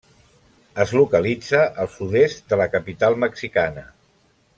Es localitza al sud-est de la capital mexicana.